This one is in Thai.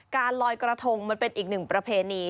ลอยกระทงมันเป็นอีกหนึ่งประเพณี